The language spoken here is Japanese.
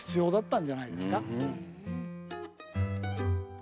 ん？